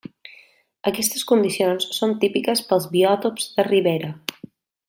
Aquestes condicions són típiques pels biòtops de ribera.